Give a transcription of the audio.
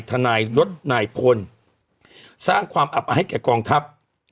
ทนายลดนายพลสร้างความอับอาให้แก่กองทัพ